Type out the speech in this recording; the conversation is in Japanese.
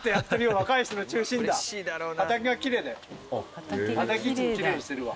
畑いつもきれいにしてるわ。